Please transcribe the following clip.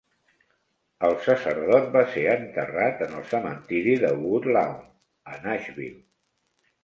El sacerdot va ser enterrat en el cementiri de Woodlawn, a Nashville.